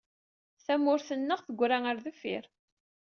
Tamurt-nneɣ teggra ɣer deffir.